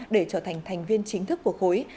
để trở thành thành viên chính thức của khối